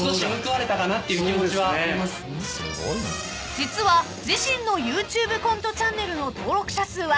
［実は自身のＹｏｕＴｕｂｅコントチャンネルの登録者数は何と］